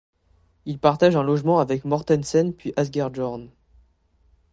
Il partage un logement avec Mortensen puis Asger Jorn.